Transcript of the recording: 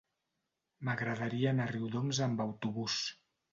M'agradaria anar a Riudoms amb autobús.